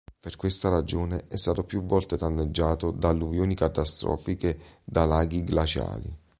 Per questa ragione è stato più volte danneggiato da alluvioni catastrofiche da laghi glaciali.